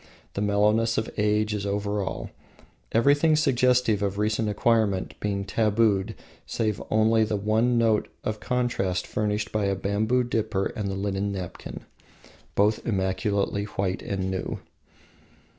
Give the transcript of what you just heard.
The mellowness of age is over all, everything suggestive of recent acquirement being tabooed save only the one note of contrast furnished by the bamboo dipper and the linen napkin, both immaculately white and new.